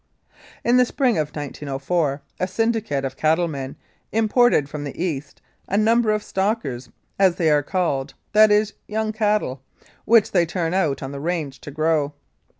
In the spring of 1904 a syndicate of cattle men im ported, from the East, a number of "stackers," as they are called that is, young cattle which they turned out on the range to grow.